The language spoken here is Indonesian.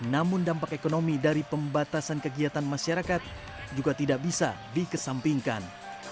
namun dampak ekonomi dari pembatasan kegiatan masyarakat juga tidak bisa dikesampingkan